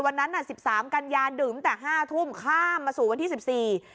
วันนั้นน่ะ๑๓กรัญยาดื่มตั้ง๕ถุ้มข้ามมาสู่วันที่๑๔